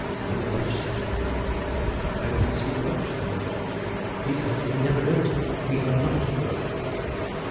"No Welsh, sir!" "Why don't you speak Welsh?" said I. "Because we never learnt it. We are not Welsh."